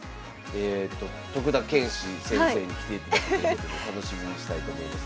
徳田拳士先生に来ていただくということで楽しみにしたいと思います。